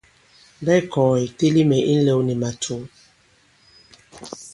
Mbɛ̌ ì kɔ̀gɛ̀ ì teli mɛ̀ i ǹlɛw nì màtǔ.